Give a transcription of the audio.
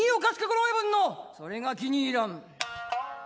「それが気に入らん。